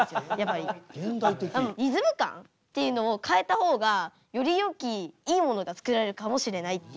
リズム感っていうのを変えた方がよりよきいいものが作られるかもしれないっていう。